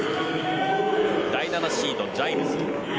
第７シード、ジャイルズ。